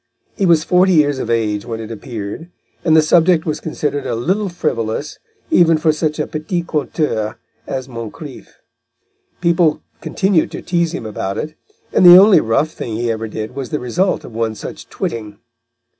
He was forty years of age when it appeared, and the subject was considered a little frivolous, even for such a petit conteur as Moncrif. People continued to tease him about it, and the only rough thing he ever did was the result of one such twitting.